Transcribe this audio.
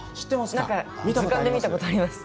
図鑑で見たことあります。